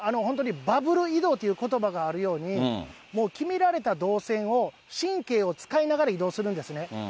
本当にバブル移動ということばがあるように、決められた動線を、神経を使いながら移動するんですね。